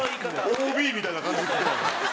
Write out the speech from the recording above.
ＯＢみたいな感じで。